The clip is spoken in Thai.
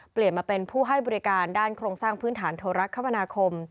เปลี่ยนมาเป็นผู้ให้บริการด้านโครงสร้างพื้นฐานโทรคมนาคม